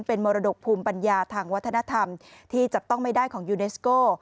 เป็นมรดกภูมิปัญญาทางวัฒนธรรมที่จับต้องไม่ได้ของยูเนสโก